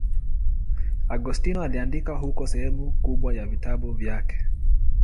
Agostino aliandika huko sehemu kubwa ya vitabu vyake.